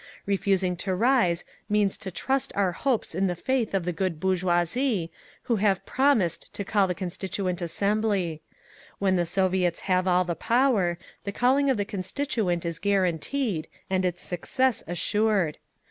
Refusing to rise means to trust our hopes in the faith of the good bourgeoisie, who have 'promised' to call the Constituent Assembly. When the Soviets have all the power, the calling of the Constituent is guaranteed, and its success assured.